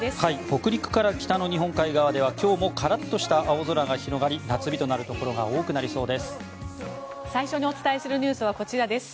北陸から北の日本海側では今日もカラッとした青空が広がり夏日となるところが多くなりそうです。